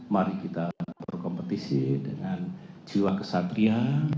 mari kita berkompetisi dengan jiwa kesatria